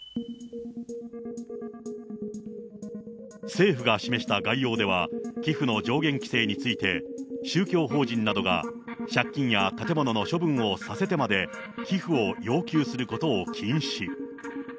政府が示した概要では、寄付の上限規制について、宗教法人などが借金や建物の処分をさせてまで寄付を要求することを禁止。